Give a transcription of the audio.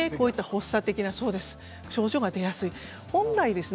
発作的な症状が出やすいんです。